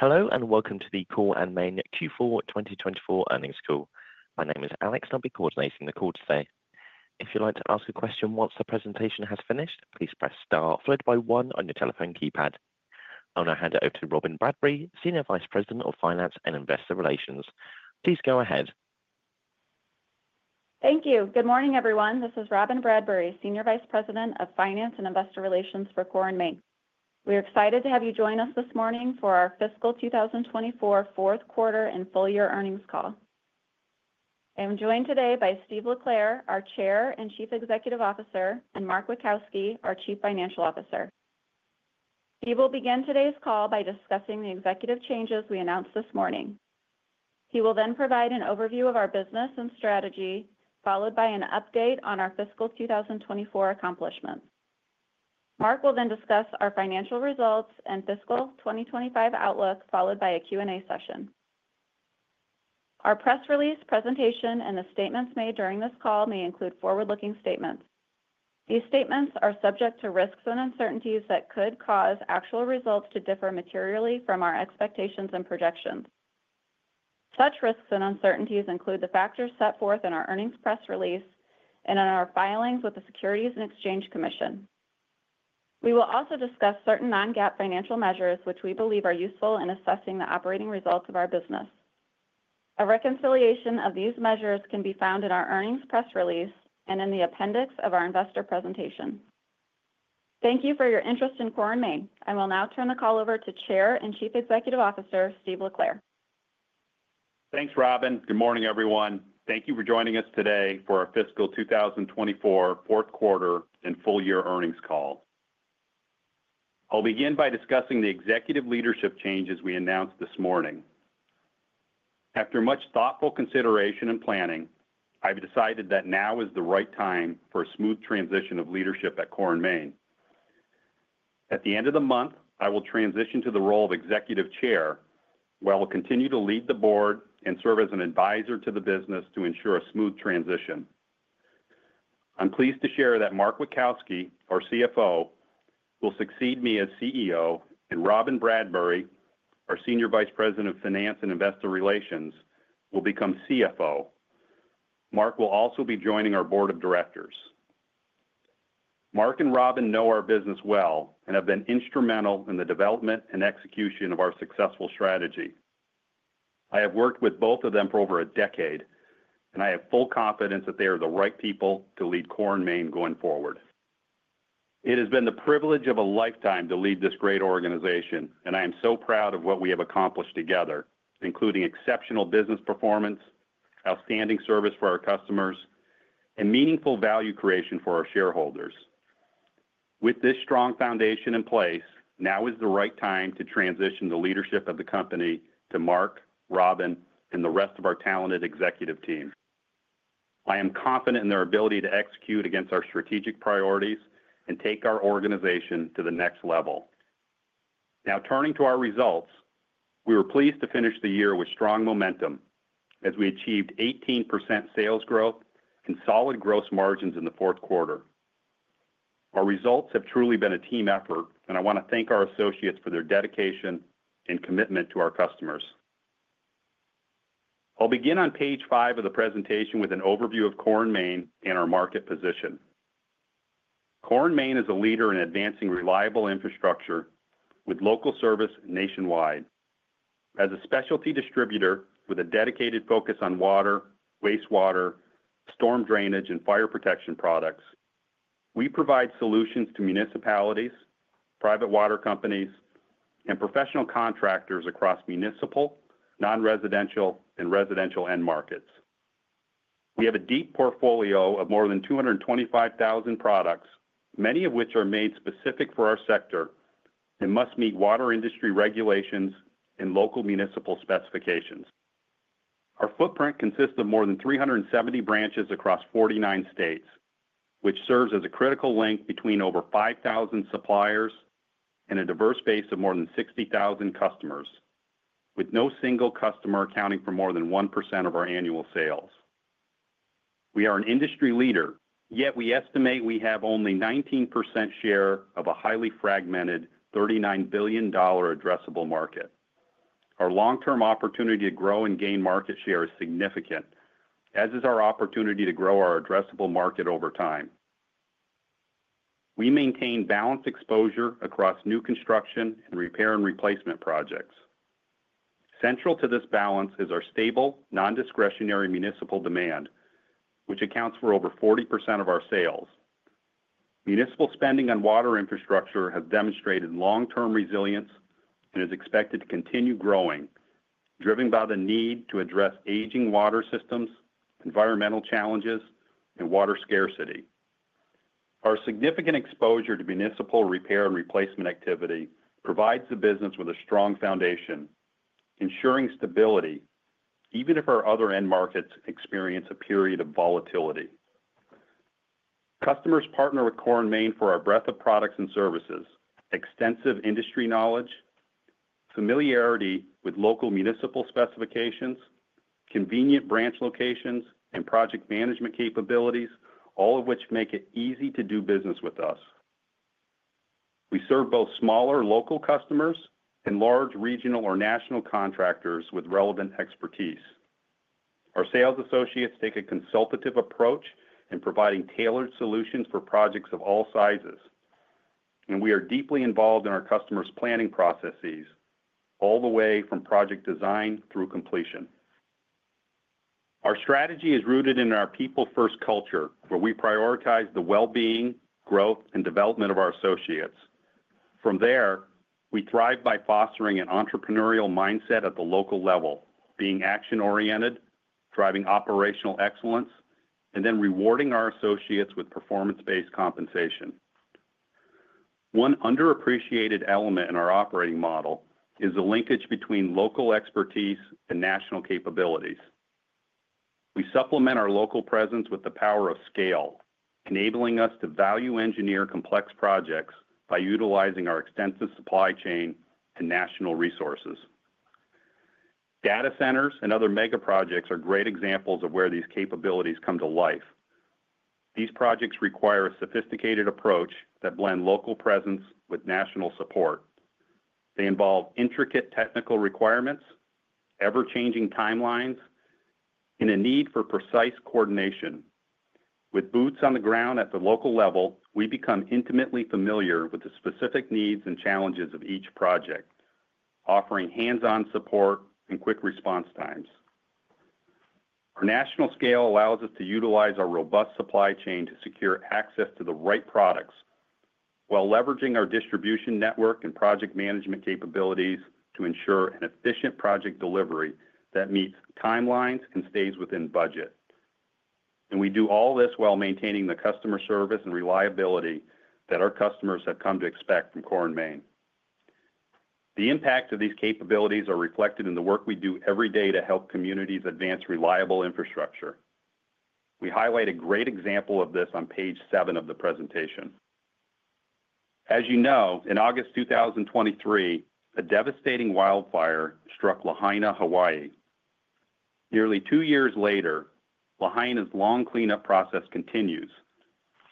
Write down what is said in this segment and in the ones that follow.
Hello and welcome to the Core & Main Q4 2024 earnings call. My name is Alex and I'll be coordinating the call today. If you'd like to ask a question once the presentation has finished, please press Star followed by one on your telephone keypad. I'll now hand it over to Robyn Bradbury, Senior Vice President of Finance and Investor Relations. Please go ahead. Thank you. Good morning everyone. This is Robyn Bradbury, Senior Vice President of Finance and Investor Relations for Core & Main. We are excited to have you join us this morning for our fiscal 2024 fourth quarter and full year earnings call. I am joined today by Steve LeClair, our Chair and Chief Executive Officer, and Mark Witkowski, our Chief Financial Officer. Steve will begin today's call by discussing the executive changes we announced this morning. He will then provide an overview of our business and strategy followed by an update on our fiscal 2024 accomplishments. Mark will then discuss our financial results and fiscal 2025 outlook followed by a Q and A session. Our press release presentation and the statements made during this call may include forward looking statements. These statements are subject to risks and uncertainties that could cause actual results to differ materially from our expectations and projections. Such risks and uncertainties include the factors set forth in our earnings press release and in our filings with the Securities and Exchange Commission. We will also discuss certain non-GAAP financial measures which we believe are useful in assessing the operating results of our business. A reconciliation of these measures can be found in our earnings press release and in the appendix of our investor presentation. Thank you for your interest in Core & Main. I will now turn the call over to Chair and Chief Executive Officer Steve LeClair. Thanks Robyn. Good morning everyone. Thank you for joining us today for our fiscal 2024 fourth quarter and full year earnings call. I'll begin by discussing the executive leadership changes we announced this morning. After much thoughtful consideration and planning, I've decided that now is the right time for a smooth transition of leadership at Core & Main. At the end of the month, I will transition to the role of Executive Chair while continuing to lead the Board and serve as an advisor to the business to ensure a smooth transition. I'm pleased to share that Mark Witkowski, our CFO, will succeed me as CEO and Robyn Bradbury, our Senior Vice President of Finance and Investor Relations, will become CFO. Mark will also be joining our Board of Directors. Mark and Robyn know our business well and have been instrumental in the development and execution of our successful strategy. I have worked with both of them for over a decade and I have full confidence that they are the right people to lead Core & Main going forward. It has been the privilege of a lifetime to lead this great organization and I am so proud of what we have accomplished together, including exceptional business performance, outstanding service for our customers, and meaningful value creation for our shareholders. With this strong foundation in place, now is the right time to transition the leadership of the company to Mark, Robyn, and the rest of our talented executive team. I am confident in their ability to execute against our strategic priorities and take our organization to the next level. Now, turning to our results, we were pleased to finish the year with strong momentum as we achieved 18% sales growth and solid gross margins in the fourth quarter. Our results have truly been a team effort and I want to thank our associates for their dedication and commitment to our customers. I'll begin on page 5 of the presentation with an overview of Core & Main and our market position. Core & Main is a leader in advancing reliable infrastructure with local service nationwide. As a specialty distributor with a dedicated focus on water, wastewater, storm drainage and fire protection products, we provide solutions to municipalities, private water companies and professional contractors across municipal, nonresidential and residential end markets. We have a deep portfolio of more than 225,000 products, many of which are made specific for our sector and must meet water industry regulations and local municipal specifications. Our footprint consists of more than 370 branches across 49 states, which serves as a critical link between over 5,000 suppliers and a diverse base of more than 60,000 customers. With no single customer accounting for more than 1% of our annual sales, we are an industry leader, yet we estimate we have only 19% share of a highly fragmented $39 billion addressable market. Our long term opportunity to grow and gain market share is significant, as is our opportunity to grow our addressable market over time. We maintain balanced exposure across new construction and repair and replacement projects. Central to this balance is our stable, non discretionary municipal demand which accounts for over 40% of our sales. Municipal spending on water infrastructure has demonstrated long term resilience and is expected to continue growing, driven by the need to address aging water systems, environmental challenges and water scarcity. Our significant exposure to municipal repair and replacement activity provides the business with a strong foundation, ensuring stability even if our other end markets experience a period of volatility. Customers partner with Core & Main for our breadth of products and services, extensive industry knowledge, familiarity with local municipal specifications, convenient branch locations and project management capabilities, all of which make it easy to do business with us. We serve both smaller local customers and large regional or national contractors with relevant expertise. Our sales associates take a consultative approach in providing tailored solutions for projects of all sizes and we are deeply involved in our customers' planning processes all the way from project design through completion. Our strategy is rooted in our people first culture where we prioritize the well-being, growth and development of our associates. From there, we thrive by fostering an entrepreneurial mindset at the local level, being action oriented, driving operational excellence, and then rewarding our associates with performance based compensation. One underappreciated element in our operating model is the linkage between local expertise and national capabilities. We supplement our local presence with the power of scale, enabling us to value engineer complex projects by utilizing our extensive supply chain and national resources. Data centers and other megaprojects are great examples of where these capabilities come to life. These projects require a sophisticated approach that blend local presence with national support. They involve intricate technical requirements, ever changing timelines and a need for precise coordination with boots on the ground. At the local level, we become intimately familiar with the specific needs and challenges of each project, offering hands on support and quick response times. Our national scale allows us to utilize our robust supply chain to secure access to the right products while leveraging our distribution network and project management capabilities to ensure an efficient project delivery that meets timelines and stays within budget. We do all this while maintaining the customer service and reliability that our customers have come to expect from Core & Main. The impact of these capabilities are reflected in the work we do every day to help communities advance reliable infrastructure. We highlight a great example of this on page seven of the presentation. As you know, in August 2023, a devastating wildfire struck Lahaina, Hawaii. Nearly two years later, Lahaina's long cleanup process continues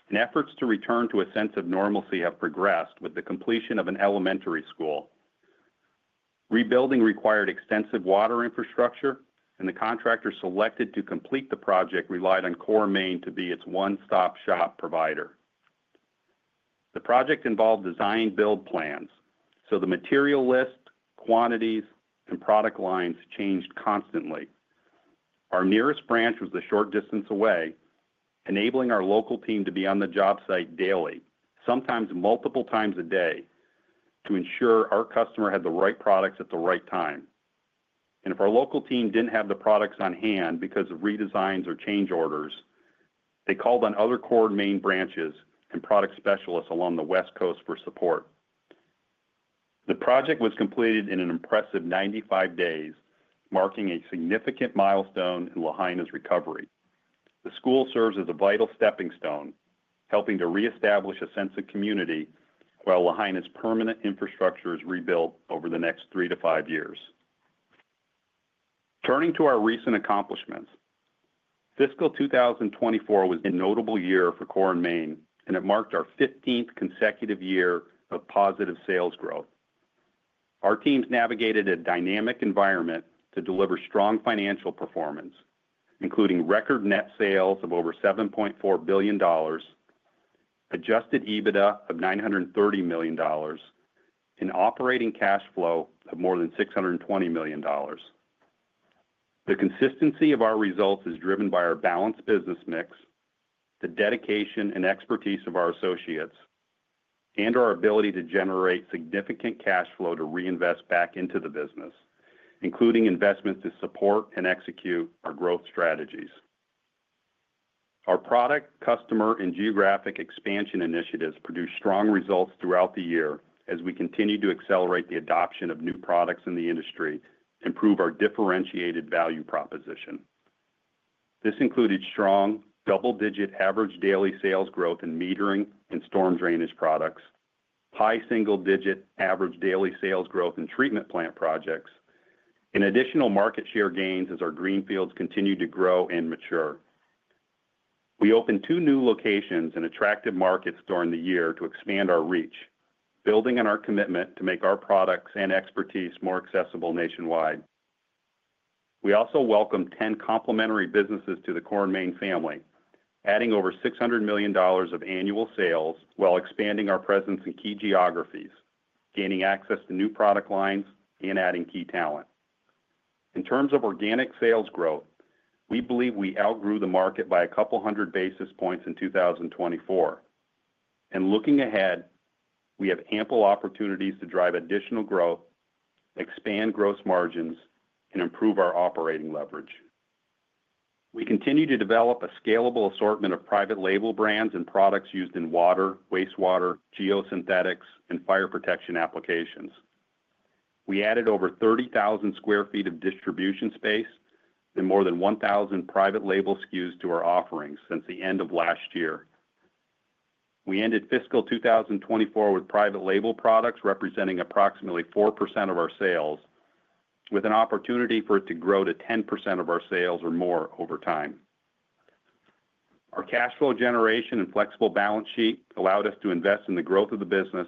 and efforts to return to a sense of normalcy have progressed. With the completion of an elementary school, rebuilding required extensive water infrastructure and the contractor selected to complete the project relied on Core & Main to be its one stop shop provider. The project involved design build plans so the material list, quantities and product lines changed constantly. Our nearest branch was a short distance away, enabling our local team to be on the job site daily, sometimes multiple times a day to ensure our customer had the right products at the right time. If our local team did not have the products on hand because of redesigns or change orders, they called on other Core & Main branches and product specialists along the west coast for support. The project was completed in an impressive 95 days, marking a significant milestone in Lahaina's recovery. The school serves as a vital stepping stone, helping to reestablish a sense of community while Lahaina's permanent infrastructure is rebuilt over the next three to five years. Turning to our recent accomplishments, fiscal 2024 was a notable year for Core & Main and it marked our 15th consecutive year of positive sales growth. Our teams navigated a dynamic environment to deliver strong financial performance including record net sales of over $7.4 billion, adjusted EBITDA of $930 million, an operating cash flow of more than $620 million. The consistency of our results is driven by our balanced business mix, the dedication and expertise of our associates and our ability to generate significant cash flow to reinvest back into the business, including investments to support and execute our growth strategies. Our product, customer and geographic expansion initiatives produced strong results throughout the year as we continue to accelerate the adoption of new products in the industry, improve our differentiated value proposition. This included strong double-digit average daily sales growth in metering and storm drainage products, high single-digit average daily sales growth in treatment plant projects and additional market share gains as our greenfields continue to grow and mature. We opened two new locations in attractive markets during the year to expand our reach, building on our commitment to make our products and expertise more accessible nationwide. We also welcomed 10 complementary businesses to the Core & Main family, adding over $600 million of annual sales while expanding our presence in key geographies, gaining access to new product lines and adding key talent. In terms of organic sales growth, we believe we outgrew the market by a couple hundred basis points in 2024 and looking ahead, we have ample opportunities to drive additional growth, expand gross margins and improve our operating leverage. We continue to develop a scalable assortment of private label brands and products used in water, wastewater, geosynthetics and fire protection applications. We added over 30,000 sq ft of distribution space and more than 1,000 private label SKUs to our offerings since the end of last year. We ended fiscal 2024 with private label products representing approximately 4% of our sales with an opportunity for it to grow to 10% of our sales or more over time. Our cash flow generation and flexible balance sheet allowed us to invest in the growth of the business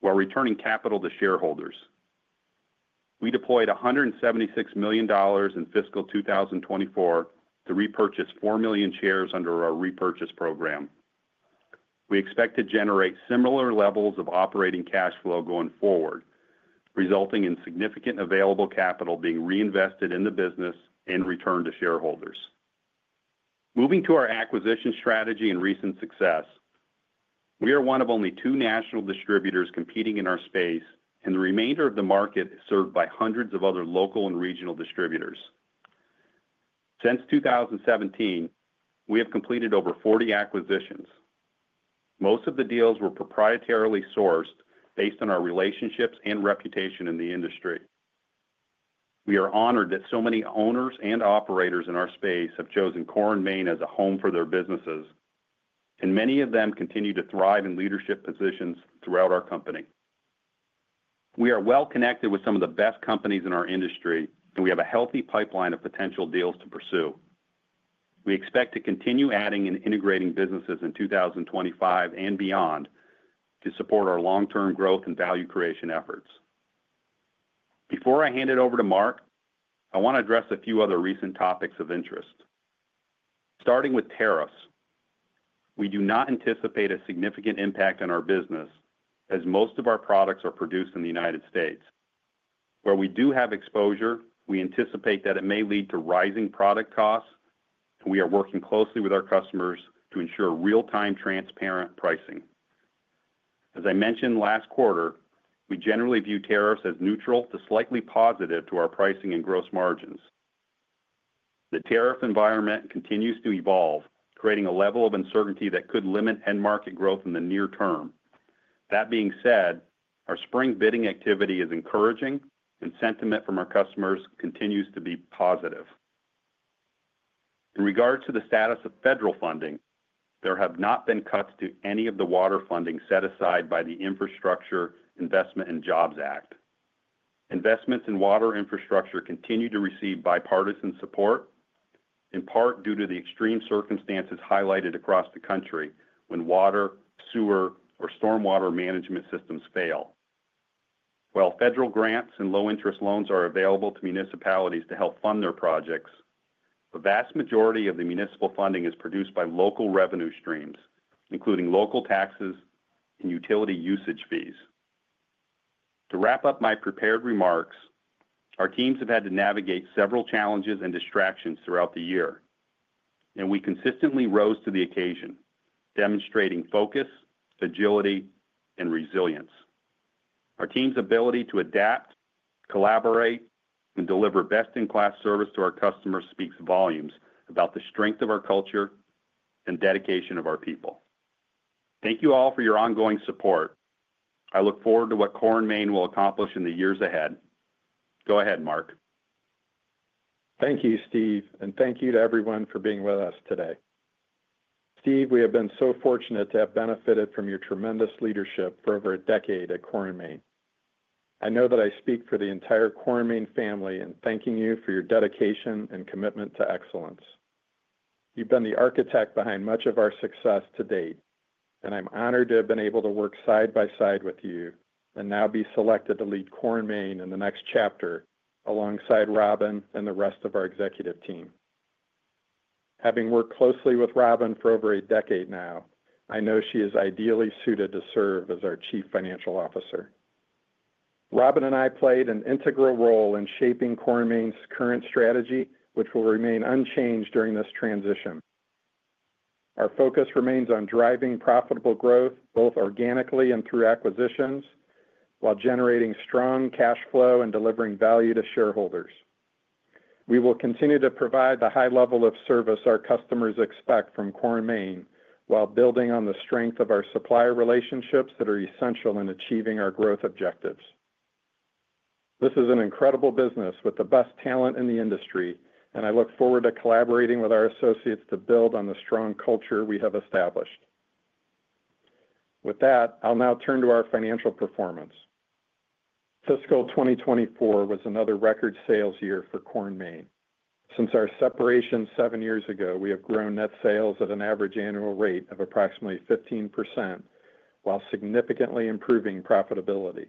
while returning capital to shareholders. We deployed $176 million in fiscal 2024 to repurchase $4 million shares under our repurchase program. We expect to generate similar levels of operating cash flow going forward, resulting in significant available capital being reinvested in the business and returned to shareholders. Moving to our acquisition strategy and recent success, we are one of only two national distributors competing in our space and the remainder of the market is served by hundreds of other local and regional distributors. Since 2017, we have completed over 40 acquisitions. Most of the deals were proprietarily sourced based on our relationships and reputation in the industry. We are honored that so many owners and operators in our space have chosen Core & Main as a home for their businesses and many of them continue to thrive in leadership positions throughout our company. We are well connected with some of the best companies in our industry and we have a healthy pipeline of potential deals to pursue. We expect to continue adding and integrating businesses in 2025 and beyond to support our long term growth and value creation efforts. Before I hand it over to Mark, I want to address a few other recent topics of interest, starting with tariffs. We do not anticipate a significant impact on our business as most of our products are produced in the United States where we do have exposure. We anticipate that it may lead to rising product costs. We are working closely with our customers to ensure real time transparent pricing. As I mentioned last quarter, we generally view tariffs as neutral to slightly positive to our pricing and gross margins. The tariff environment continues to evolve, creating a level of uncertainty that could limit end market growth in the near term. That being said, our spring bidding activity is encouraging and sentiment from our customers continues to be positive. In regards to the status of federal funding, there have not been cuts to any of the water funding set aside by the Infrastructure Investment and Jobs Act. Investments in water infrastructure continue to receive bipartisan support, in part due to the extreme circumstances highlighted across the country when water, sewer or stormwater management systems fail. While federal grants and low interest loans are available to municipalities to help fund their projects, the vast majority of the municipal funding is produced by local revenue streams, including local taxes and utility usage fees. To wrap up my prepared remarks, our teams have had to navigate several challenges and distractions throughout the year and we consistently rose to the occasion, demonstrating focus, agility and resilience. Our team's ability to adapt, collaborate and deliver best in class service to our customers speaks volumes about the strength of our culture and dedication of our people. Thank you all for your ongoing support. I look forward to what Core & Main will accomplish in the years ahead. Go ahead Mark. Thank you, Steve, and thank you to everyone for being with us today. Steve, we have been so fortunate to have benefited from your tremendous leadership for over a decade at Core & Main. I know that I speak for the entire Core & Main family in thanking you for your dedication and commitment to excellence. You've been the architect behind much of our success to date, and I'm honored to have been able to work side by side with you and now be selected to lead Core & Main in the next chapter alongside Robyn and the rest of our executive team. Having worked closely with Robyn for over a decade now, I know she is ideally suited to serve as our Chief Financial Officer. Robyn and I played an integral role in shaping Core & Main's current strategy, which will remain unchanged during this transition. Our focus remains on driving profitable growth both organically and through acquisitions, while generating strong cash flow and delivering value to shareholders. We will continue to provide the high level of service our customers expect from Core & Main while building on the strength of our supplier relationships that are essential in achieving our growth objectives. This is an incredible business with the best talent in the industry and I look forward to collaborating with our associates to build on the strong culture we have established. With that, I'll now turn to our financial performance. Fiscal 2024 was another record sales year for Core & Main. Since our separation seven years ago, we have grown net sales at an average annual rate of approximately 15% while significantly improving profitability.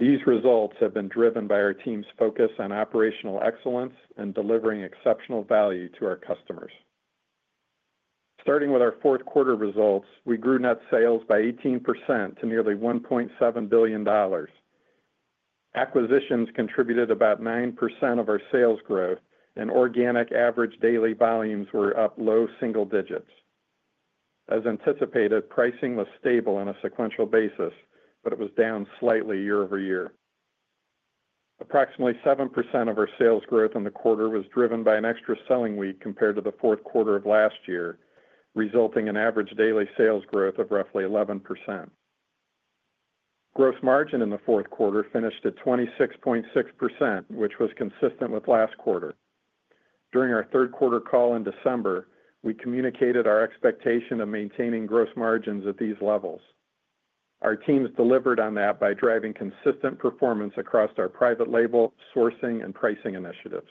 These results have been driven by our team's focus on operational excellence and delivering exceptional value to our customers. Starting with our fourth quarter results, we grew net sales by 18% to nearly $1.7 billion. Acquisitions contributed about 9% of our sales growth and organic average daily volumes were up low single digits. As anticipated, pricing was stable on a sequential basis, but it was down slightly year over year. Approximately 7% of our sales growth in the quarter was driven by an extra selling week compared to the fourth quarter of last year, resulting in average daily sales growth of roughly 11%. gross margin in the fourth quarter finished at 26.6%, which was consistent with last quarter. During our third quarter call in December, we communicated our expectation of maintaining gross margins at these levels. Our teams delivered on that by driving consistent performance across our private label sourcing and pricing initiatives.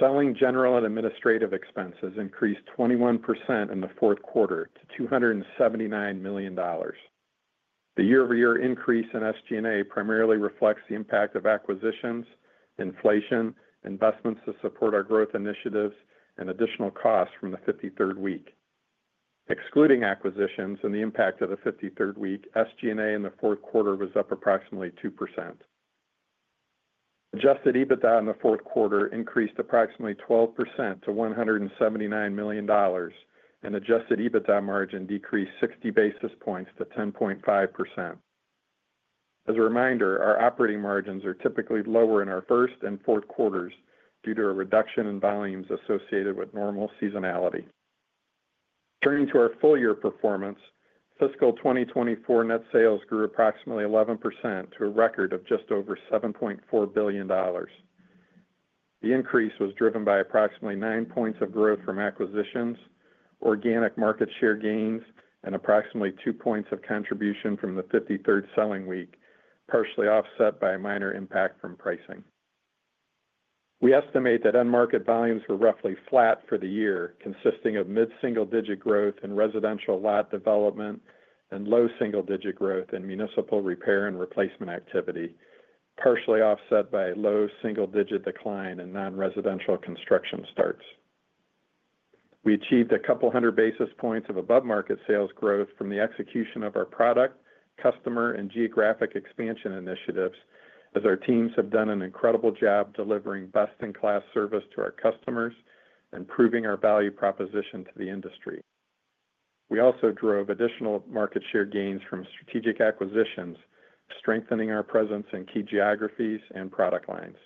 Selling, general and administrative expenses increased 21% in the fourth quarter to $279 million. The year over year increase in SG&A primarily reflects the impact of acquisitions, inflation, investments to support our growth initiatives and additional costs from the 53rd week. Excluding acquisitions and the impact of the 53rd week, SG&A in the fourth quarter was up approximately 2%. Adjusted EBITDA in the fourth quarter increased approximately 12% to $179 million and adjusted EBITDA margin decreased 60 basis points to 10.5%. As a reminder, our operating margins are typically lower in our first and fourth quarters due to a reduction in volumes associated with normal seasonality. Turning to our full year performance, fiscal 2024 net sales grew approximately 11% to a record of just over $7.4 billion. The increase was driven by approximately 9 points of growth from acquisitions, organic market share gains and approximately 2 points of contribution from the 53rd selling week, partially offset by a minor impact from pricing. We estimate that end market volumes were roughly flat for the year, consisting of mid single digit growth in residential lot development and low single digit growth in municipal repair and replacement activity, partially offset by low single digit decline in non residential construction starts. We achieved a couple hundred basis points of above market sales growth from the execution of our product, customer and geographic expansion initiatives as our teams have done an incredible job delivering best in class service to our customers, improving our value proposition to the industry. We also drove additional market share gains from strategic acquisitions, strengthening our presence in key geographies and product lines.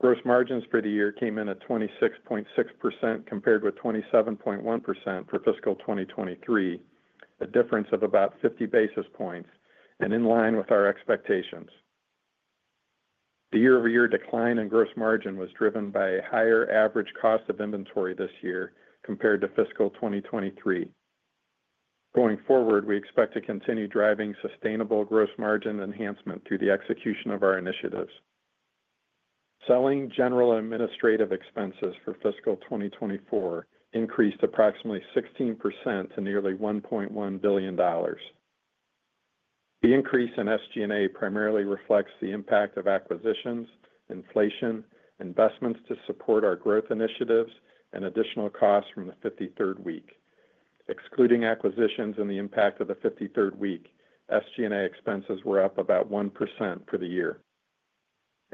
Gross margins for the year came in at 26.6% compared with 27.1% for fiscal 2023, a difference of about 50 basis points and in line with our expectations. The year over year decline in gross margin was driven by a higher average cost of inventory this year compared to fiscal 2023. Going forward, we expect to continue driving sustainable gross margin enhancement through the execution of our initiatives. Selling, general, administrative expenses for fiscal 2024 increased approximately 16% to nearly $1.1 billion. The increase in SG&A primarily reflects the impact of acquisitions, inflation, investments to support our growth initiatives and additional costs from the 53rd week. Excluding acquisitions and the impact of the 53rd week, SG&A expenses were up about 1% for the year.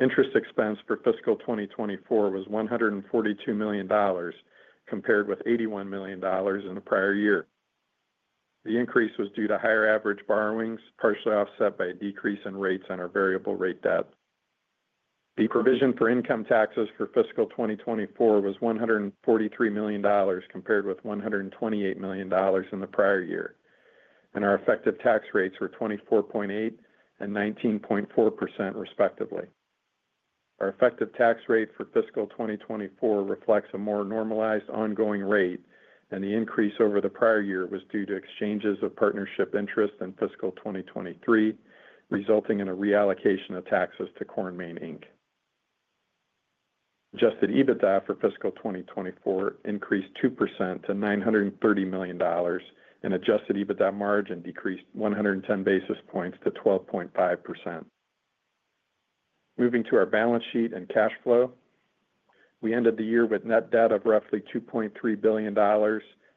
Interest expense for fiscal 2024 was $142 million compared with $81 million in the prior year. The increase was due to higher average borrowings, partially offset by a decrease in rates on our variable rate debt. The provision for income taxes for fiscal 2024 was $143 million compared with $128 million in the prior year, and our effective tax rates were 24.8% and 19.4% respectively. Our effective tax rate for fiscal 2024 reflects a more normalized ongoing rate and the increase over the prior year was due to exchanges of partnership interest in fiscal 2023, resulting in a reallocation of taxes to Core & Main. Adjusted EBITDA for fiscal 2024 increased 2% to $930 million and adjusted EBITDA margin decreased 110 basis points to 12.5%. Moving to our balance sheet and cash flow, we ended the year with net debt of roughly $2.3 billion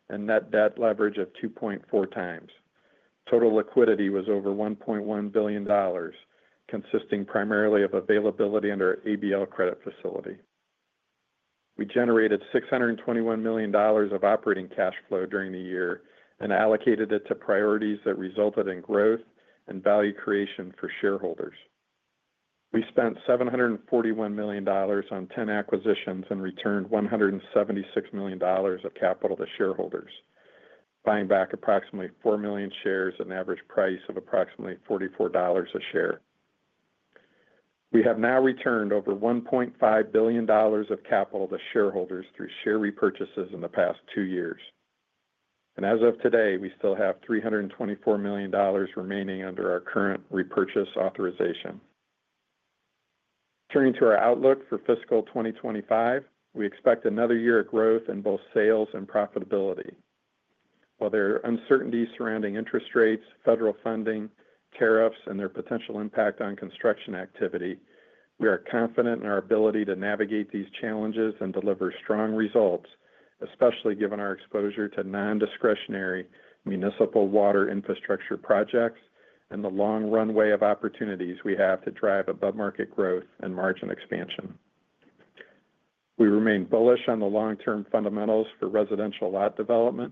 and net debt leverage of 2.4 times. Total liquidity was over $1.1 billion, consisting primarily of availability under ABL Credit Facility. We generated $621 million of operating cash flow during the year and allocated it to priorities that resulted in growth and value creation for shareholders. We spent $741 million on 10 acquisitions and returned $176 million of capital to shareholders, buying back approximately $4 million shares at an average price of approximately $44 a share. We have now returned over $1.5 billion of capital to shareholders through share repurchases in the past two years and as of today we still have $324 million remaining under our current repurchase authorization. Turning to our outlook for fiscal 2025, we expect another year of growth in both sales and profitability. While there are uncertainties surrounding interest rates, federal funding, tariffs, and their potential impact on construction activity, we are confident in our ability to navigate these challenges and deliver strong results, especially given our exposure to non-discretionary municipal water infrastructure projects and the long runway of opportunities we have to drive above market growth and margin expansion. We remain bullish on the long-term fundamentals for residential lot development.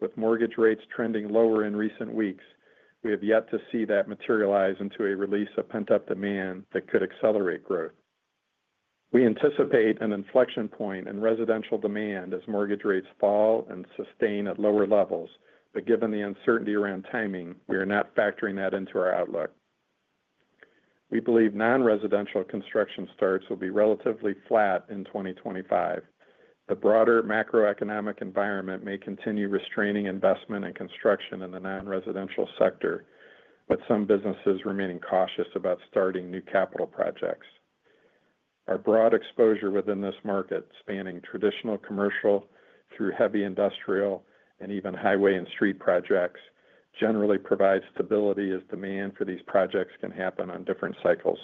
With mortgage rates trending lower in recent weeks, we have yet to see that materialize into a release of pent-up demand that could accelerate growth. We anticipate an inflection point in residential demand as mortgage rates fall and sustain at lower levels, but given the uncertainty around timing, we are not factoring that into our outlook. We believe non-residential construction starts will be relatively flat in 2025. The broader macroeconomic environment may continue restraining investment and construction in the nonresidential sector, with some businesses remaining cautious about starting new capital projects. Our broad exposure within this market, spanning traditional commercial through heavy industrial and even highway and street projects, generally provides stability as demand for these projects can happen on different cycles.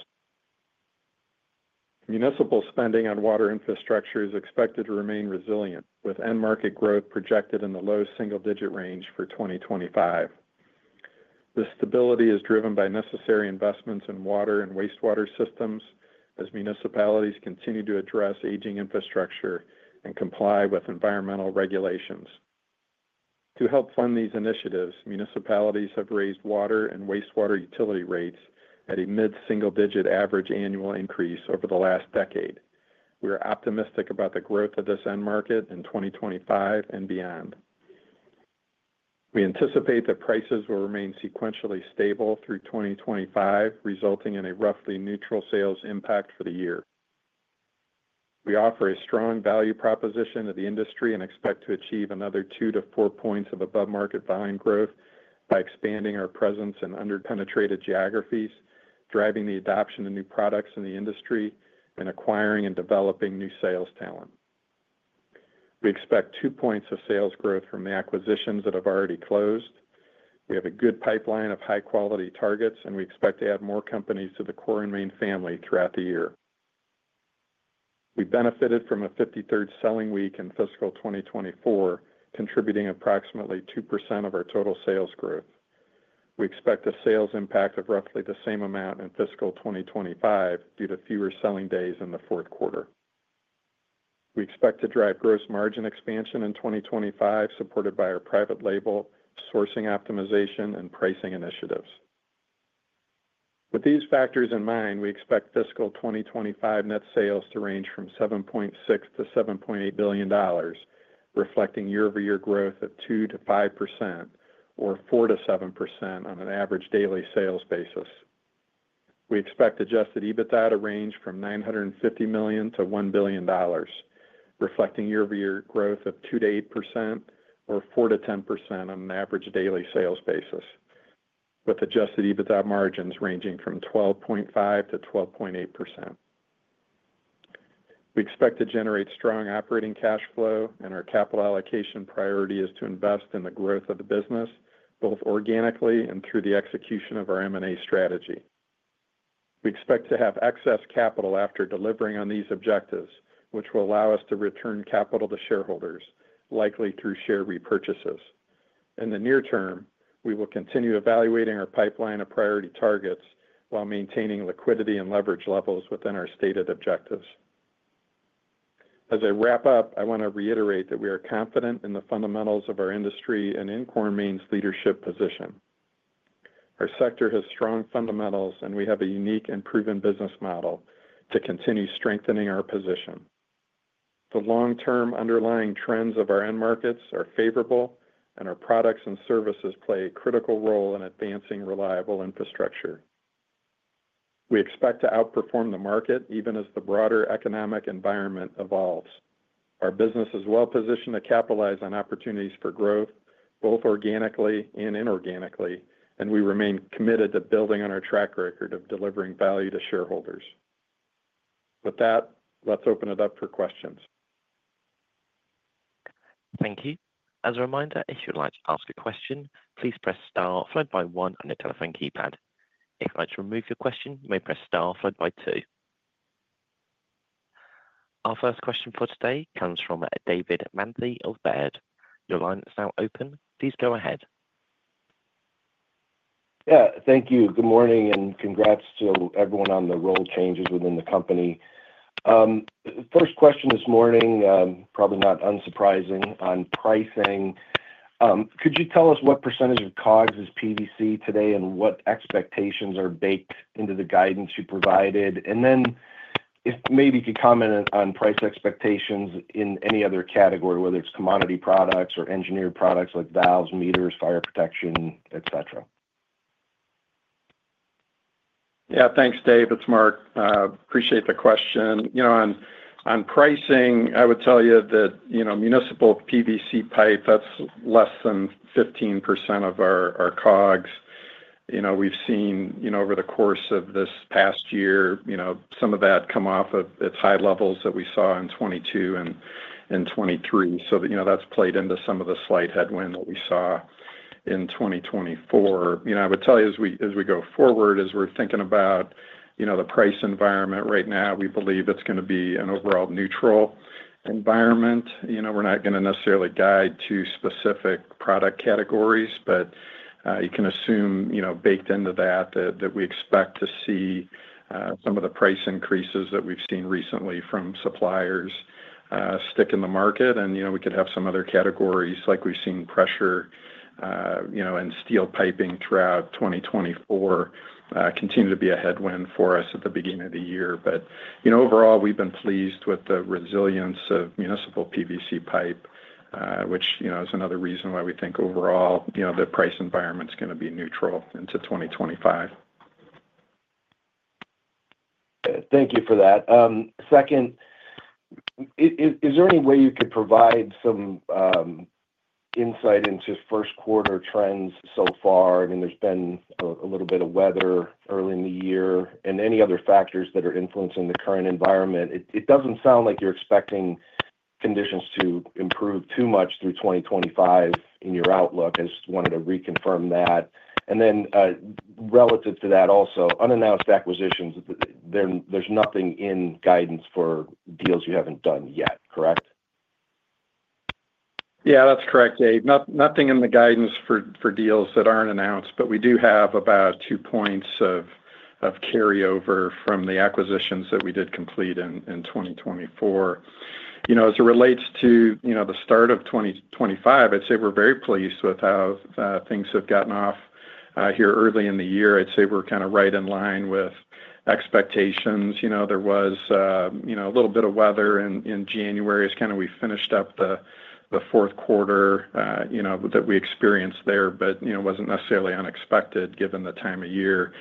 Municipal spending on water infrastructure is expected to remain resilient with end market growth projected in the low single-digit range for 2025. The stability is driven by necessary investments in water and wastewater systems as municipalities continue to address aging infrastructure and comply with environmental regulations. To help fund these initiatives, municipalities have raised water and wastewater utility rates at a mid single-digit average annual increase over the last decade. We are optimistic about the growth of this end market in 2025 and beyond. We anticipate that prices will remain sequentially stable through 2025, resulting in a roughly neutral sales impact for the year. We offer a strong value proposition to the industry and expect to achieve another two to four points of above market volume growth by expanding our presence in underpenetrated geographies, driving the adoption of new products in the industry and acquiring and developing new sales talent. We expect two points of sales growth from the acquisitions that have already closed. We have a good pipeline of high-quality targets and we expect to add more companies to the Core & Main family throughout the year. We benefited from a 53rd selling week in fiscal 2024, contributing approximately 2% of our total sales growth. We expect a sales impact of roughly the same amount in fiscal 2025 due to fewer selling days in the fourth quarter. We expect to drive gross margin expansion in 2025, supported by our private label sourcing optimization and pricing initiatives. With these factors in mind, we expect fiscal 2025 net sales to range from $7.6 billion-$7.8 billion, reflecting year over year growth of 2%-5% or 4%-7% on an average daily sales basis. We expect adjusted EBITDA to range from $950 million-$1 billion, reflecting year over year growth of 2%-8% or 4%-10% on an average daily sales basis, with adjusted EBITDA margins ranging from 12.5%-12.8%. We expect to generate strong operating cash flow and our capital allocation priority is to invest in the growth of the business both organically and through the execution of our M&A strategy. We expect to have excess capital after delivering on these objectives, which will allow us to return capital to shareholders, likely through share repurchases. In the near term, we will continue evaluating our pipeline of priority targets while maintaining liquidity and leverage levels within our stated objectives. As I wrap up, I want to reiterate that we are confident in the fundamentals of our industry and in Core & Main's leadership position. Our sector has strong fundamentals and we have a unique and proven business model to continue strengthening our position. The long term underlying trends of our end markets are favorable and our products and services play a critical role in advancing reliable infrastructure. We expect to outperform the market even as the broader economic environment evolves. Our business is well positioned to capitalize on opportunities for growth both organically and inorganically, and we remain committed to building on our track record of delivering value to shareholders. With that, let's open it up for questions. Thank you. As a reminder, if you'd like to ask a question, please press star followed by one on your telephone keypad. If you'd like to remove your question, you may press star followed by two. Our first question for today comes from David Manthey of Baird, your line is now open. Please go ahead. Yeah, thank you. Good morning and congrats to everyone on the role changes within the company. First question this morning, probably not unsurprising on pricing, could you tell us what percentage of COGS is PVC today and what expectations are baked into the guidance you provided? If maybe you could comment on price expectations in any other category, whether it's commodity products or engineered products like valves, meters, fire protection, et cetera. Yeah, thanks, Dave. It's Mark. Appreciate the question. You know, on pricing, I would tell you that, you know, municipal PVC pipe, that's less than 15% of our COGS, you know, we've seen, you know, over the course of this past year, you know, some of that come off of its high levels that we saw in 2022 and 2023. So that, you know, that's played into some of the slight headwind that we saw in 2024. You know, I would tell you as we, as we go forward, as we're thinking about, you know, the price environment right now, we believe it's going to be an overall neutral environment. You know, we're not going to necessarily guide to specific product categories, but you can assume, you know, baked into that, that we expect to see some of the price increases that we've seen recently from suppliers stick in the market. You know, we could have some other categories like we've seen pressure, you know, and steel piping throughout 2024 continue to be a headwind for us at the beginning of the year. You know, overall, we've been pleased with the resilience of municipal PVC pipe, which, you know, is another reason why we think overall, you know, the price environment's going to be neutral into 2025. Thank you for that. Second, is there any way you could. Provide some insight into first quarter trends so far? I mean, there's been a little bit of weather early in the year and any other factors that are influencing the current environment. It doesn't sound like you're expecting conditions to improve too much through 2025 in your outlook. I just wanted to reconfirm that. Then relative to that, also, unannounced acquisitions, there's nothing in guidance for deals you haven't done yet, correct? Yeah, that's correct, Dave. Not nothing in the guidance for deals that aren't announced, but we do have about two points of carryover from the acquisitions that we did complete in 2024. You know, as it relates to, you know, the start of 2025, I'd say we're very pleased with how things have gotten off here early in the year. I'd say we're kind of right in line with expectations. You know, there was, you know, a little bit of weather in January as kind of we finished up the fourth quarter, you know, that we experienced there but you know, wasn't necessarily unexpected given the time of year.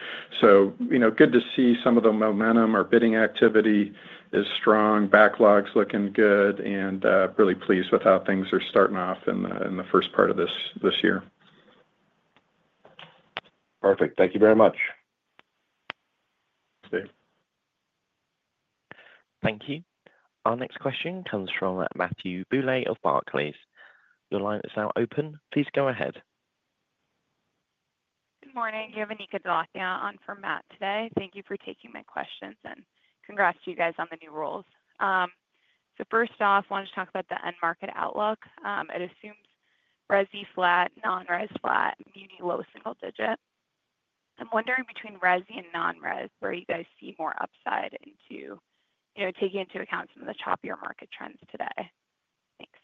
You know, good to see some of the momentum. Our bidding activity is strong. Backlogs looking good and really pleased with how things are starting off in the first part of this year. Perfect. Thank you very much, Thanks. Thank you. Our next question comes from Matthew Adrien Bouley of Barclays. Your line is now open. Please go ahead. Good morning. You have Anika Dholakia on for Matt today. Thank you for taking my questions and congrats to you guys on the new roles. First off, wanted to talk about the end market outlook. It assumes resi flat, non res flat, muni low single digit. I'm wondering between resi and non res where you guys see more upside into taking into account some of the choppier market trends today. Thanks.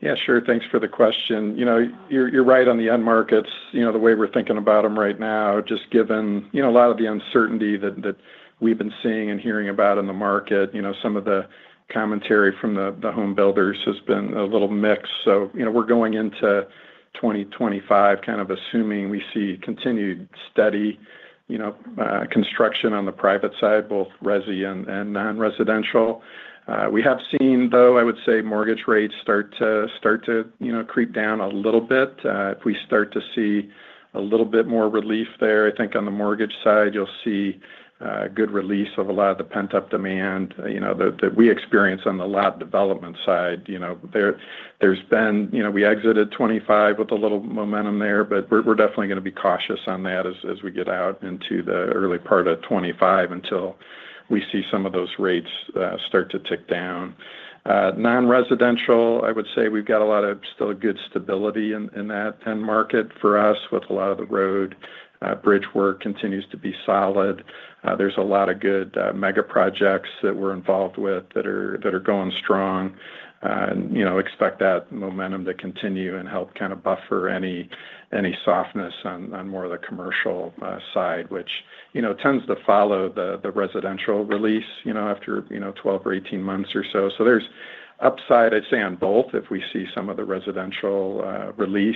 Yeah, sure. Thanks for the question. You know, you're right on the end markets, you know, the way we're thinking about them right now just given, you know, a lot of the uncertainty that we've been seeing and hearing about in the market, you know, some of the commentary from the home builders has been a little mixed. You know, we're going into 2025 kind of assuming we see continued steady, you know, construction on the private side, both resi and non residential. We have seen though, I would say mortgage rates start to, you know, creep down a little bit. If we start to see a little bit more relief there, I think on the mortgage side you'll see good release of a lot of the pent up demand, you know, that we experience on the lot development side. You know, there's been, you know, we exited 2025 with a little momentum there. But we're definitely going to be cautious on that as we get out into the early part of 2025 until we see some of those rates start to tick down non residential. I would say we've got a lot of still a good stability in that end market for us with a lot of the growth. Road bridge work continues to be solid. There's a lot of good mega projects that we're involved with that are, that are going strong and you know, expect that momentum to continue and help kind of buffer any, any softness on more of the commercial side which, you know, tends to follow the residential release, you know, after, you know, 12 or 18 months or so. So there's upside, I'd say on both. If we see some of the residential release,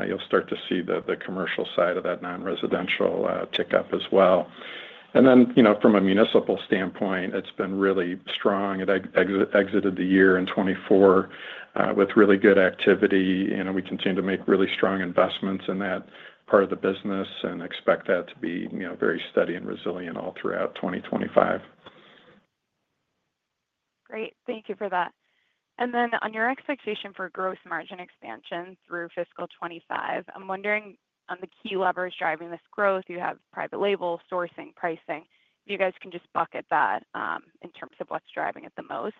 you'll start to see the commercial side of that non residential tick up as well. You know, from a municipal standpoint, it's been really strong. It exited the year in 2024 with really good activity and we continue to make really strong investments in that part of the business and expect that to be very steady and resilient all throughout 2025. Great, thank you for that. On your expectation for gross margin expansion through fiscal 2025, I'm wondering on the key levers driving this growth. You have private label sourcing, pricing, you guys can just bucket that in terms of what's driving it the most.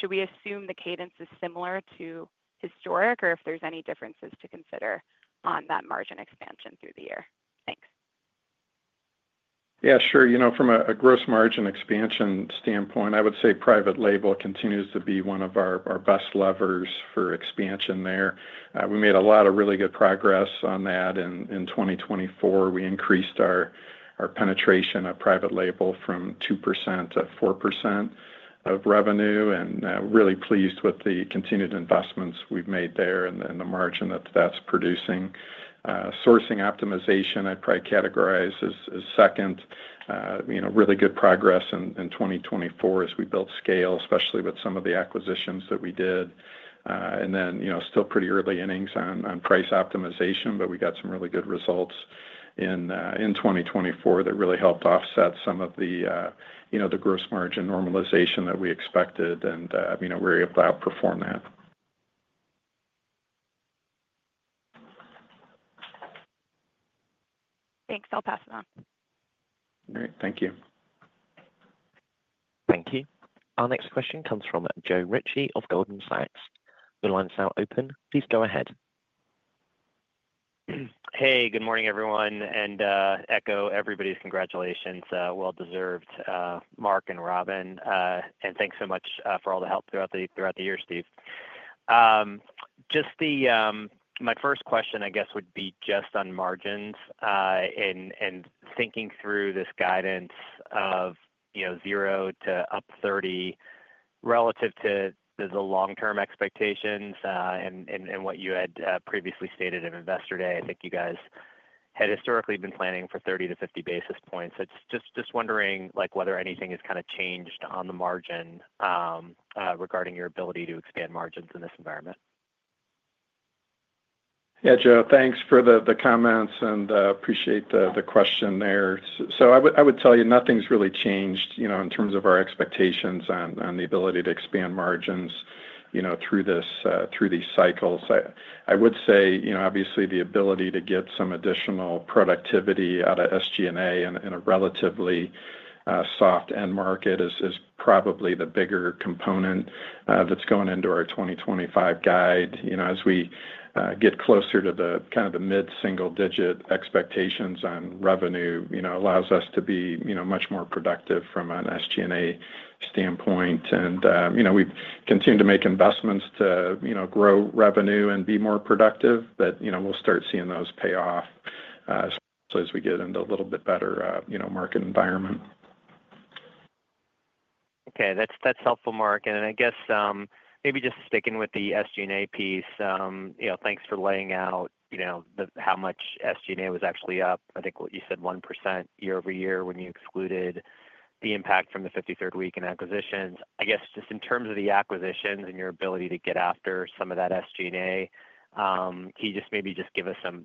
Should we assume the cadence is similar to historic or if there's any differences to consider on that margin expansion through the year? Thanks. Yeah, sure. You know, from a gross margin expansion standpoint, I would say private label continues to be one of our best levers for expansion there. We made a lot of really good progress on that. In 2024 we increased our penetration of private label from 2%-4% of revenue and really pleased with the continued investments we've made there and the margin that that's producing. Sourcing optimization I'd probably categorize as second, you know, really good progress in 2024 as we built scale, especially with some of the acquisitions that we did. You know, still pretty early innings on price optimization. We got some really good results in 2024 that really helped offset some of the, you know, the gross margin normalization that we expected. You know, we were able to outperform that. Thanks. I'll pass it on. Thank you. Thank you. Our next question comes from Joe Ritchie of Goldman Sachs. The line is now open. Please go ahead. Hey, good morning everyone and echo everybody's congratulations. Well deserved, Mark and Robyn, and thanks so much for all the help throughout the year. Steve, just the, my first question I guess would be just on margins and thinking through this guidance of 0 to up 30 relative to the long term expectations and what you had previously stated at Investor Day, I think you guys had historically been planning for 30 to 50 basis points. It's just wondering whether anything has kind of changed on the margin regarding your ability to expand margins in this environment. Yeah, Joe, thanks for the comments and appreciate the question there. I would tell you, nothing's really changed, you know, in terms of our expectations on the ability to expand margins, you know, through this, through these cycles. I would say, you know, obviously the ability to get some additional productivity out of SG&A in a relatively soft end market is probably the bigger component that's going into our 2025 guide. You know, as we get closer to the kind of the mid single digit expectations on revenue, you know, allows us to be, you know, much more productive from an SG&A standpoint. You know, we continue to make investments to, you know, grow revenue and be more productive. You know, we'll start seeing those pay off as we get into a little bit better, you know, market environment. Okay, that's, that's helpful, Mark, and I guess maybe just sticking with the SG&A piece. Thanks for laying out how much SG&A was actually up, I think what you said 1% year over year when you excluded the impact from the 53rd week in acquisitions. I guess just in terms of the acquisitions and your ability to get after some of that SG&A, can you just, maybe just give us some,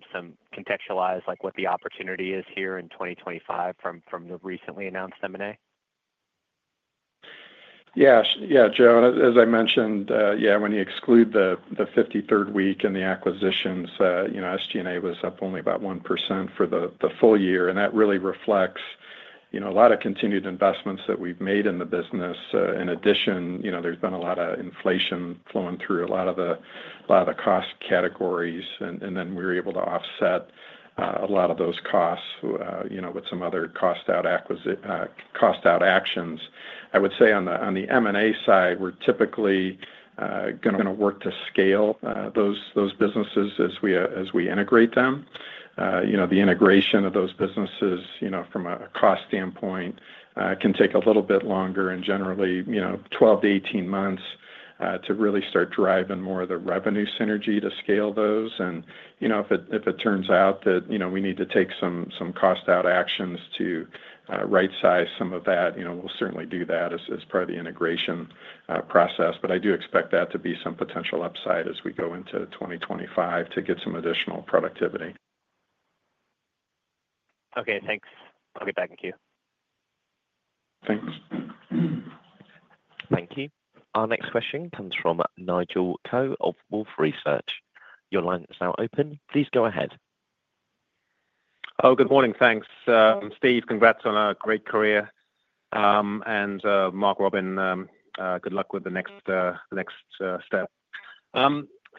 contextualize what the opportunity is here in 2025 from the recently announced M&A? Yeah, yeah, Joe, as I mentioned, yeah, when you exclude the 53rd week and the acquisitions, you know, SG&A was up only about 1% for the full year. That really reflects, you know, a lot of continued investments that we've made in the business. In addition, you know, there's been a lot of inflation flowing through a lot of the cost categories and then we were able to offset a lot of those costs, you know, with some other cost out acquisition, cost out actions. I would say on the, on the M&A side, we're typically going to work to scale those businesses as we, as we integrate them. You know, the integration of those businesses, you know, from a cost standpoint can take a little bit longer and generally, you know, 12-18 months to really start driving more of the revenue synergy to scale those. You know, if it turns out that, you know, we need to take some cost out actions to right size some of that, you know, we'll certainly do that as part of the integration process. I do expect that to be some potential upside as we go into 2025 to get some additional productivity. Okay, thanks. I'll get back in queue. Thanks. Thank you. Our next question comes from Nigel Coe of Wolfe Research. Your line is now open. Please go ahead. Oh, good morning. Thanks, Steve. Congrats on a great career. And Mark, Robyn, good luck with the next step.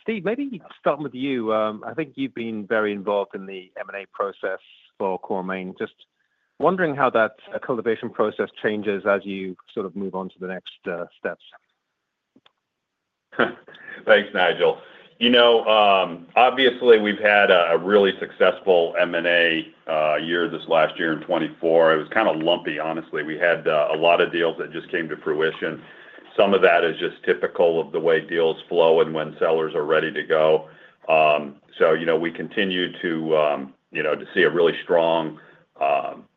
Steve, maybe starting with you, I think you've been very involved in the M&A process for Core & Main. Just wondering how that cultivation process changes as you sort of move on to the next steps. Thanks, Nigel. You know, obviously we've had a really successful M&A year. This last year in 2024, it was kind of lumpy. Honestly. We had a lot of deals that just came to fruition. Some of that is just typical of the way deals flow and when sellers are ready to go. You know, we continue to, you know, to see a really strong,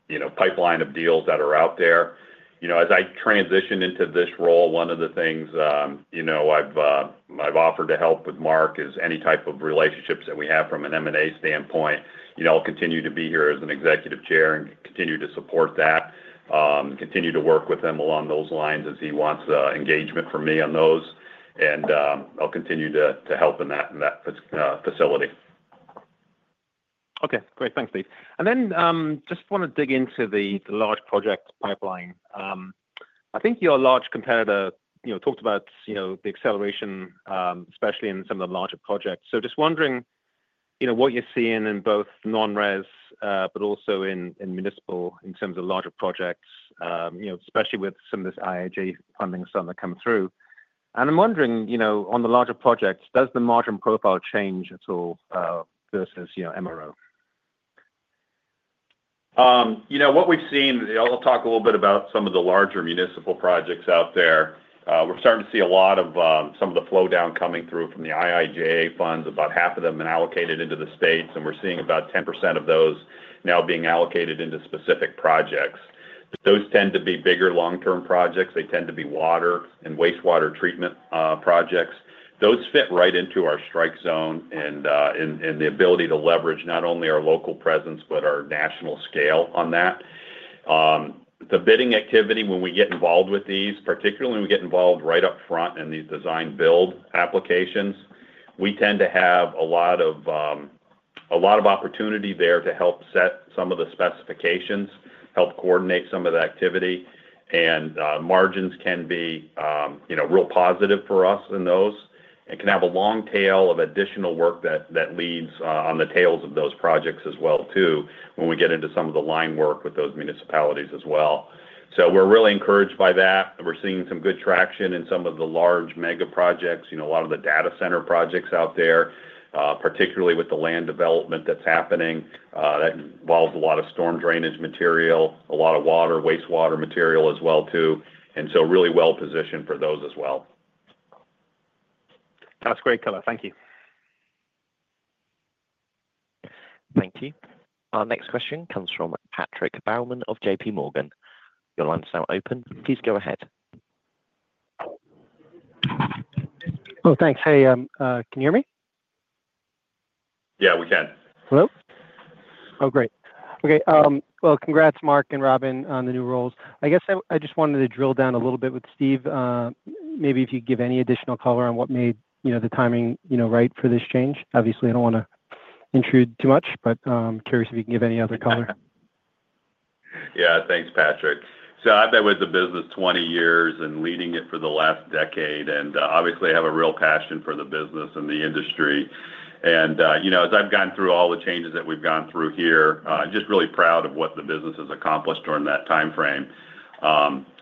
you know, pipeline of deals that are out there. You know, as I transition into this role. One of the things, you know, I've offered to help with Mark is any type of relationships that we have from an M&A standpoint, you know, I'll continue to be here as an Executive Chair and continue to support that, continue to work with him along those lines as he wants engagement from me on those and I'll continue to help in that facility. Okay, great. Thanks, Steve. I just want to dig into the large project pipeline. I think your large competitor, you know. Talked about, you know, the acceleration, especially in some of the larger projects. Just wondering, you know, what you're seeing in both non res but also. In municipal in terms of larger projects. You know, especially with some of this. IIJA funding starting to come through. I'm wondering, you know, on the. Larger projects, does the margin profile change? At all versus, you know, MRO, you know, what we've seen. I'll talk a little bit about some of the larger municipal projects out there. We're starting to see a lot of some of the flow down coming through from the IIJA funds, about half of them allocated into the states. We're seeing about 10% of those now being allocated into specific projects. Those tend to be bigger, long term projects. They tend to be water and wastewater treatment projects. Those fit right into our strike zone. The ability to leverage not only our local presence but our national scale on that. The bidding activity, when we get involved with these, particularly when we get involved right up front in the design build applications, we tend to have a lot of opportunity there to help set some of the specifications, help coordinate some of the activity and margins can be real positive for us in those. It can have a long tail of additional work that leads on the tails of those projects as well too when we get into some of the line work with those municipalities as well. We are really encouraged by that. We are seeing some good traction in some of the large mega projects. You know, a lot of the data center projects out there, particularly with the land development that is happening that involves a lot of storm drainage material, a lot of water, wastewater material as well too. Really well positioned for those as well. That's great color. Thank you. Thank you. Our next question comes from Patrick Baumann of J.P. Morgan. Your line is now open. Please go ahead. Oh, thanks. Hey, can you hear me? Yeah, we can. Hello? Oh, great. Okay. Congrats Mark and Robyn on the new roles. I guess I just wanted to drill down a little bit with Steve. Maybe if you give any additional color on what made, you know, the timing, you know, right for this change. Obviously I do not want to intrude too. Much, but curious if you can give any other color. Yeah, thanks, Patrick. I've been with the business 20 years and leading it for the last decade and obviously I have a real passion for the business and the industry and you know, as I've gone through all the changes that we've gone through here, just really proud of what the business has accomplished during that timeframe.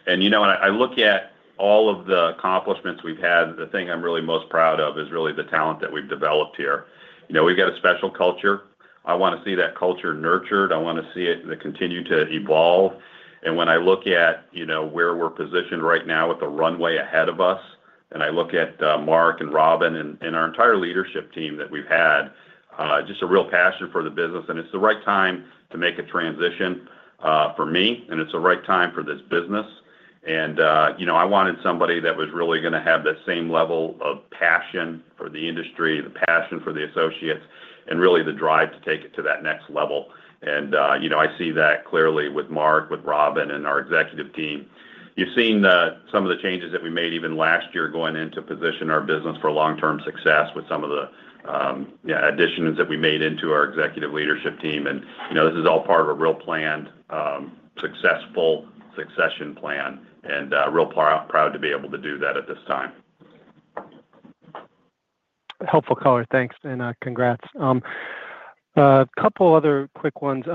You know, I look at all of the accomplishments we've had, the thing I'm really most proud of is really the talent that we've developed here. You know, we've got a special culture. I want to see that culture nurtured, I want to see it continue to evolve. When I look at, you know, where we're positioned right now with the runway ahead of us, and I look at Mark and Robyn and our entire leadership team, we've had just a real passion for the business and it's the right time to make a transition for me and it's the right time for this business. You know, I wanted somebody that was really going to have the same level of passion for the industry, the passion for the associates and really the drive to take it to that next level. You know, I see that clearly with Mark, with Robyn and our executive team. You've seen some of the changes that we made even last year going in to position our business for long term success with some of the additions that we made into our executive leadership team. This is all part of a real planned, successful succession plan and real proud to be able to do that at this time. Helpful color. Thanks and congrats. A couple other quick ones.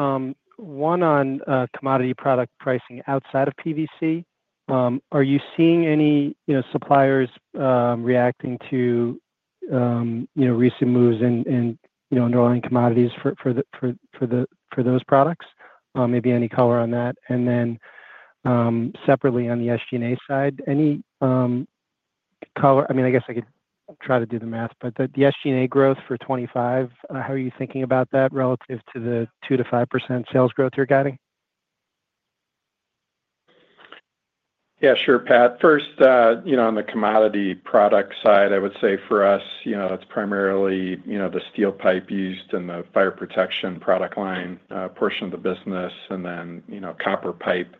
One, on commodity product pricing outside of. PVC, are you seeing any suppliers reacting to recent moves in, you know, underlying commodities for those products? Maybe any color on that and then separately on the SG&A side, any color. I mean, I guess I could try. To do the math. The SG&A growth for 25, how. Are you thinking about that relative to the 2%-5% sales growth you're getting? Yeah, sure, Patrick. First, you know, on the commodity product side, I would say for us, you know, it's primarily, you know, the steel pipe used in the fire protection product line portion of the business and then, you know, copper pipe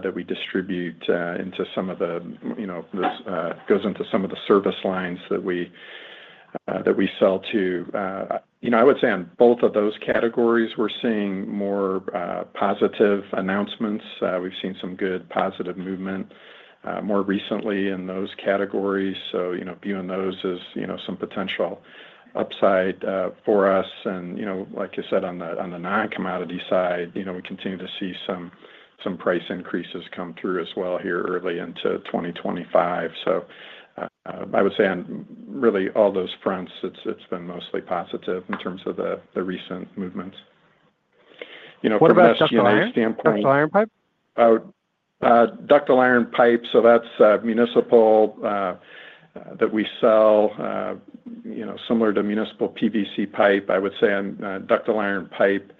that we distribute into some of the, you know, goes into some of the service lines that we, that we sell to. You know, I would say on both of those categories we're seeing more positive announcements. We've seen some good positive movement more recently in those categories. You know, viewing those as, you know, some potential upside for us. You know, like I said on the, on the non -commodity side, you know, we continue to see some, some price increases come through as well here early into 2025. I would say on really all those fronts it's, it's been mostly positive in terms of the recent movements, you know, from SG&A standpoint. Ductile iron pipe. Ductile iron pipes. So that's municipal that we sell, you know, similar to municipal PVC pipe. I would say on ductile iron pipe,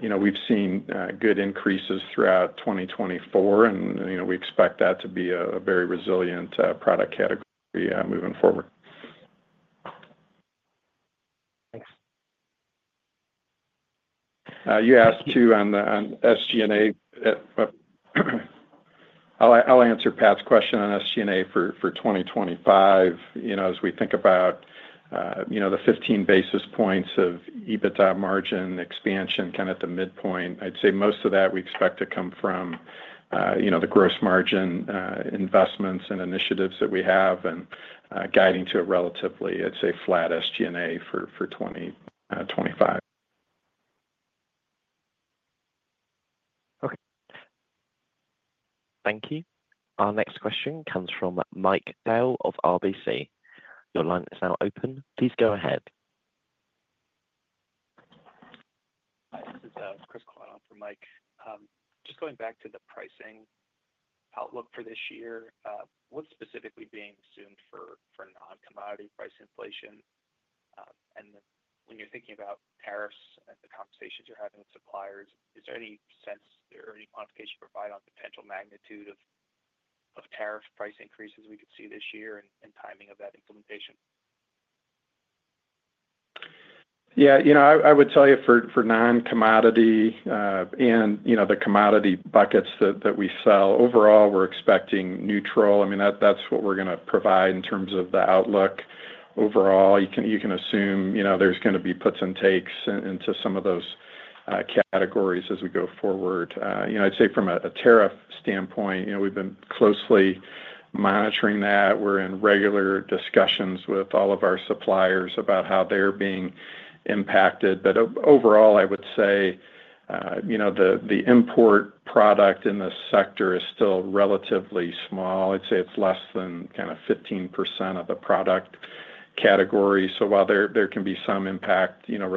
you know, we've seen good increases throughout 2024 and you know, we expect that to be a very resilient product category moving forward. Thanks. You asked too, on the SG&A. I'll answer Patrick question on SG&A for 2025. You know, as we think about, you know, the 15 basis points of EBITDA margin expansion kind of at the midpoint, I'd say most of that we expect to come from, you know, the gross margin investments and initiatives that we have and guiding to a relatively, I'd say flat SG&A for 2025. Okay, thank you. Our next question comes from Mike Dahl of RBC. Your line is now open. Please go ahead. Hi, this is Chris Cowan from Mike, just going back to the pricing outlook for this year. What’s specifically being assumed for non-commodity price inflation and when you’re thinking about tariffs and the conversations you’re having with suppliers, is there any sense or any quantification provided on potential magnitude of tariff price increases we could see this year and timing of that implementation? Yeah, you know, I would tell you for non commodity and, you know, the commodity buckets that we sell overall we're expecting neutral. I mean that's what we're going to provide in terms of, of the outlook overall. You can assume, you know, there's going to be puts and takes into some of those categories as we go forward. You know, I'd say from a tariff standpoint, you know, we've been closely monitoring that. We're in regular discussions with all of our suppliers about how they're being impacted. Overall, I would say, you know, the import product in this sector is still relatively small. I'd say it's less than kind of 15% of the product category. While there can be some impact, you know,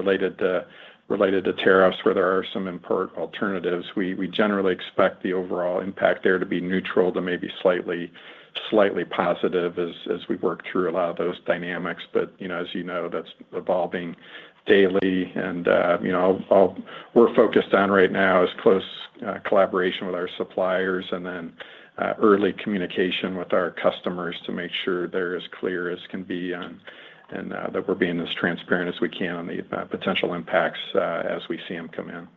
related to tariffs, where there are some import alternatives, we generally expect the overall impact there to be neutral, to maybe slightly, slightly positive as we work through a lot of those dynamics. You know, as you know, that's evolving daily and you know, we're focused on right now is close collaboration with our suppliers and then early communication with our customers to make sure they're as clear as can be and that we're being as transparent as we can on the potential impacts as we see them come in.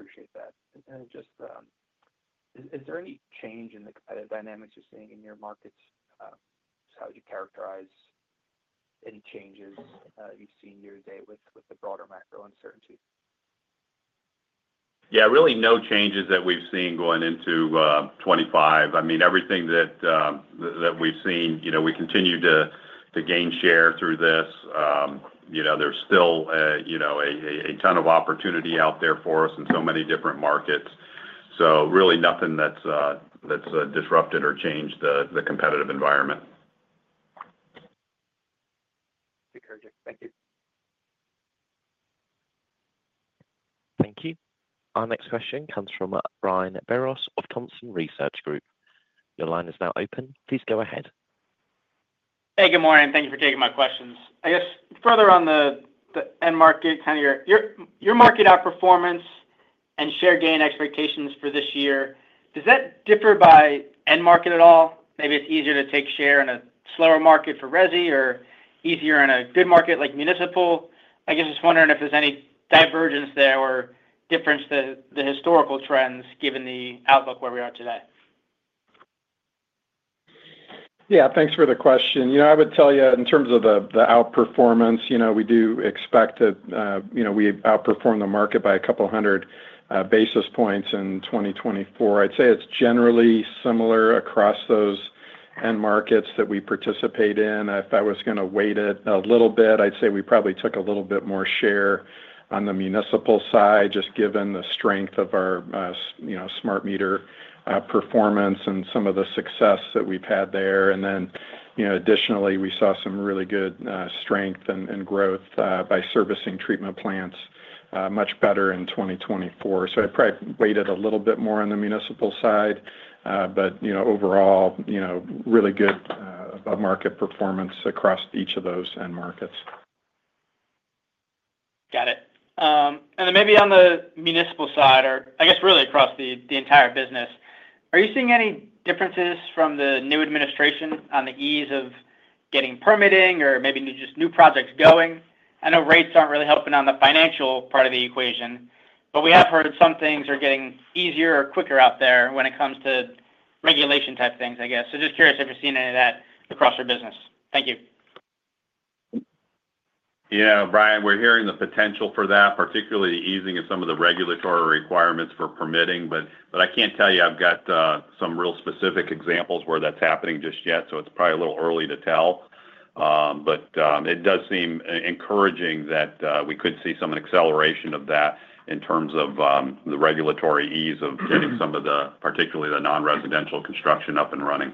Appreciate that. Just, is there any change in the competitive dynamics you're seeing in your markets? How would you characterize any changes you've seen year to date with the broader macro uncertainty? Yeah, really no changes that we've seen going into 2025. I mean, everything that we've seen, you know, we continue to gain share through this. You know, there's still, you know, a ton of opportunity out there for us in so many different markets. Really nothing that's disrupted or changed the competitive environment. Thank you. Thank you. Our next question comes from Brian Biros of Thompson Research Group. Your line is now open. Please go ahead. Hey, good morning. Thank you for taking my questions. I guess further on the end market, kind of your market outperformance and share gain expectations for this year, does that differ by end market at all? Maybe it's easier to take share in a slower market for resi or easier in a good market like municipal. I guess just wondering if there's any divergence there or difference to the historical trends, given the outlook where we are today. Yeah, thanks for the question. You know, I would tell you, in terms of the outperformance, you know, we do expect that, you know, we outperform the market by a couple hundred basis points in 2024. I'd say it's generally similar across those end markets that we participate in. If I was going to weight it a little bit, I'd say we probably took a little bit more share on the municipal side, just given the strength of our smart meter performance and some of the success that we've had there. Then additionally we saw some really good strength and growth by servicing treatment plants much better in 2024. So I probably weighted a little bit more on the municipal side. But you know, overall, you know, really good market performance across each of those end markets. Got it. Maybe on the municipal side or I guess really across the entire business, are you seeing any differences from the new administration on the ease of getting permitting or maybe just new projects going? I know rates are not really helping on the financial part of the equation, but we have heard some things are getting easier or quicker out there when it comes to regulation type things. I guess. Just curious if you're seeing any of that across your business. Thank you. Yeah, Brian, we're hearing the potential for that, particularly easing of some of the regulatory requirements for permitting. I can't tell you I've got some real specific examples where that's happening just yet. It's probably a little early to tell, but it does seem encouraging that we could see some acceleration of that in terms of the regulatory ease of getting some of the, particularly the nonresidential construction, up and running.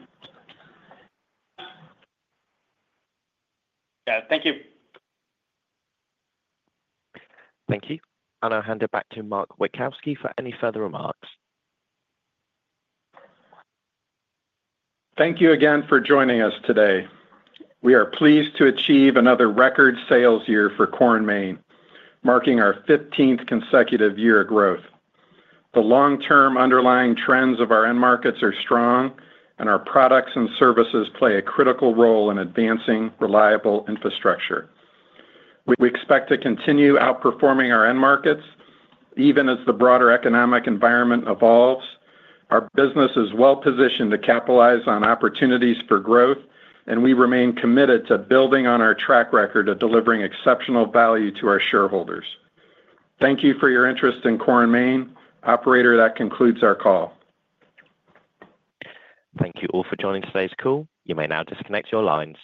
Thank you. Thank you. I'll hand it back to Mark Witkowski for any further remarks. Thank you again for joining us today. We are pleased to achieve another record sales year for Core & Main, marking our 15th consecutive year of growth. The long term underlying trends of our end markets are strong and our products and services play a critical role in advancing reliable infrastructure. We expect to continue outperforming our end markets even as the broader economic environment evolves. Our business is well positioned to capitalize on opportunities for growth and we remain committed to building on our track record of delivering exceptional value to our shareholders. Thank you for your interest in Core & Main. Operator, that concludes our call. Thank you all for joining today's call. You may now disconnect your lines.